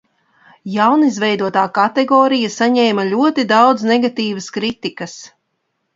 Jaunizveidotā kategorija saņēma ļoti daudz negatīvas kritikas.